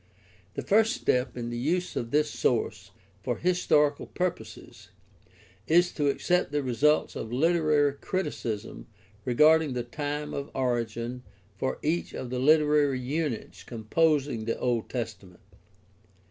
The first step in the use of this source for historical purposes is to accept the results of literary criticism regarding the time of origin for each of the literary units composing the Old Testa ment.